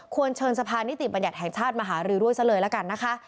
เชิญสะพานิติบัญญัติแห่งชาติมาหารือด้วยซะเลยละกันนะคะ